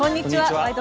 「ワイド！